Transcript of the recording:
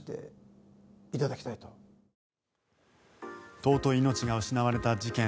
尊い命が失われた事件。